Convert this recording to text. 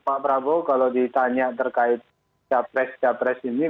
pak prabowo kalau ditanya terkait capres capres ini